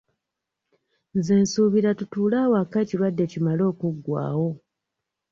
Nze nsuubira tutuule awaka ekirwadde kimale okuggwawo.